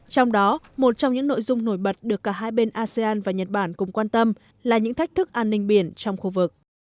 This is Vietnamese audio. trong đó một trong những nội dung nổi bật được cả hai bên asean và nhật bản cùng quan tâm là những thách thức an ninh biển trong khu vực